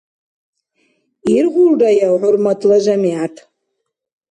Иргъулраяв, хӀурматла жамигӀят?